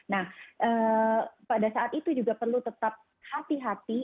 nah pada saat itu juga perlu tetap hati hati